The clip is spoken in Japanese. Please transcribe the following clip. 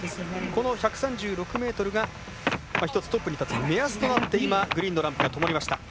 この１３６ｍが一つ、トップに立つ目安となって今、グリーンのランプがともりました。